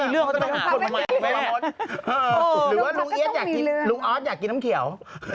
รู๊ออสอยากกินน้ำเขียว